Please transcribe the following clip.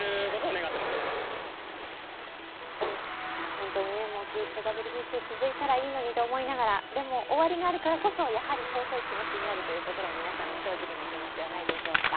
本当にずっとＷＢＣ続いたらいいのにと思いながらでも、終わりがあるからこそ、とうとい気持ちになるというのが皆さんの正直な気持ちではないでしょうか。